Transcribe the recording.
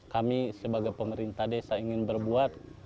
kami sebagai pemerintah desa ingin berbuat